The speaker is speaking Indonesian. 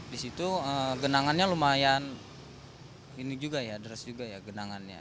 di situ genangannya lumayan ini juga ya deras juga ya genangannya